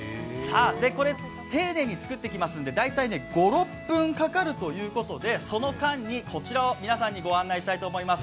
丁寧に作っていきますので大体５６分かかるというのでその間にこちらを皆さんにご案内したいと思います。